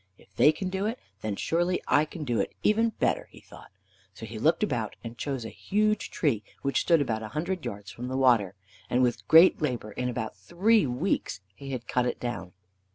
"If they can do it, then surely I can do it even better," he thought. So he looked about, and chose a huge tree which stood about a hundred yards from the water, and with great labor in about three weeks he had cut it down.